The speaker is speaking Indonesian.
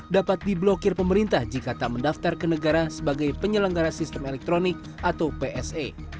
dapat diblokir pemerintah jika tak mendaftar ke negara sebagai penyelenggara sistem elektronik atau pse